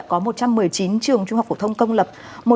có một trăm một mươi chín trường trung học phổ thông công lập